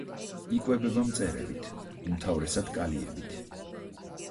იკვებება მწერებით, უმთავრესად კალიებით.